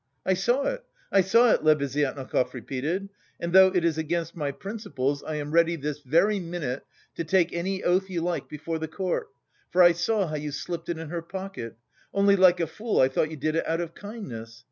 "I saw it, I saw it," Lebeziatnikov repeated, "and though it is against my principles, I am ready this very minute to take any oath you like before the court, for I saw how you slipped it in her pocket. Only like a fool I thought you did it out of kindness!